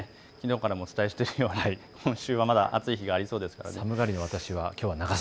きのうからもお伝えしているように今週はまだ暑い日がありそうです。